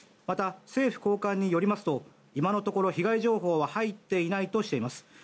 また、政府高官によりますと今のところ被害情報は入っていないとしています。